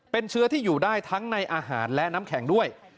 เป็นเชื้อที่อยู่ได้ทั้งในอาหารและน้ำแข็งด้วย